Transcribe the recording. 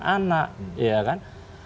anak ya kan